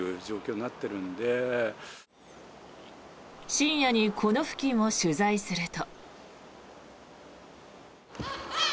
深夜にこの付近を取材すると。